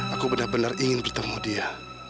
aku benar benar ingin bertemu dia